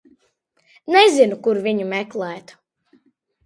Nezinu, kur viņu meklēt.